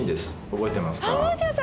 覚えてます！